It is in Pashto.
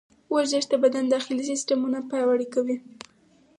ورزش د بدن داخلي سیسټم پیاوړی کوي.